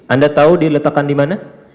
anda tahu diletakkan di mana